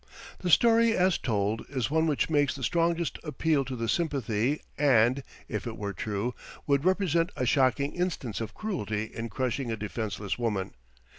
The story as told is one which makes the strongest appeal to the sympathy and, if it were true, would represent a shocking instance of cruelty in crushing a defenceless woman.